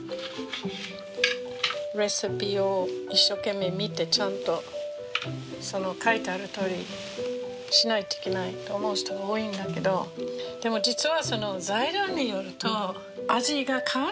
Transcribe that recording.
レシピを一生懸命見てちゃんと書いてあるとおりしないといけないと思う人が多いんだけどでも実はその材料によると味が変わるんだよね。